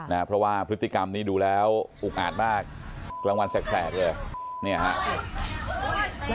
เพราะว่าพฤติกรรมนี้ดูแล้วอุกอาดมากกลางวันแสกเลยเนี่ยฮะ